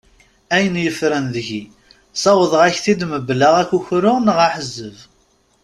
Ayen yeffren deg-i ssawḍeɣ-ak-t-id mebla akukru neɣ ahezzeb.